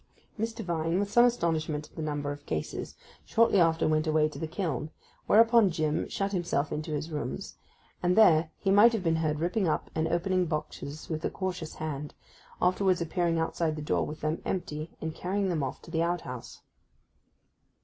Mr. Vine, with some astonishment at the number of cases, shortly after went away to the kiln; whereupon Jim shut himself into his rooms, and there he might have been heard ripping up and opening boxes with a cautious hand, afterwards appearing outside the door with them empty, and carrying them off to the outhouse.